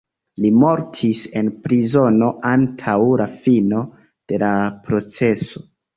Li mortis en prizono antaŭ la fino de la proceso.